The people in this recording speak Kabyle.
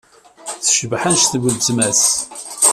Tecbeḥ anect n weltma-s.